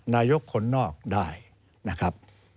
นายกคนนอกได้นะครับ